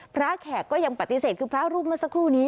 แขกก็ยังปฏิเสธคือพระรูปเมื่อสักครู่นี้